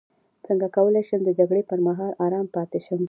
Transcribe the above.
څنګه کولی شم د جګړې پر مهال ارام پاتې شم